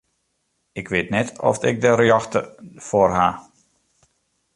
Ik wit net oft ik de rjochte foar haw.